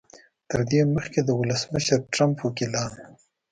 تر دې مخکې د ولسمشر ټرمپ وکیلانو